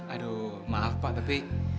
aduh maaf pak tapi